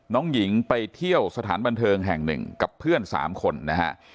น้องหญิงไปเที่ยวสถานบันเทิงแห่งหนึ่งกับเพื่อน๓คนนะฮะ